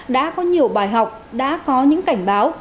đã có nhiều bài học đã có những cảnh báo